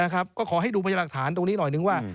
ก็ขอให้ดูพยาหลักฐานตรงนี้หน่อยนึงว่า